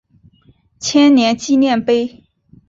千年纪念碑。